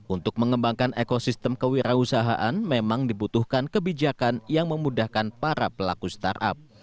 untuk mengembangkan ekosistem kewirausahaan memang dibutuhkan kebijakan yang memudahkan para pelaku startup